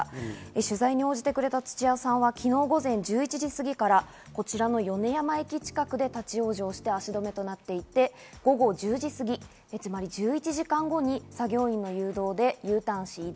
取材に応じてくれた土屋さんは昨日午前１１時過ぎからこちらの米山駅近くで立ち往生して足止めとなっていて、午後１０時すぎ、つまり１１時間後に作業員の誘導でＵターンして移動。